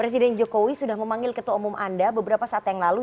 presiden jokowi sudah memanggil ketua umum anda beberapa saat yang lalu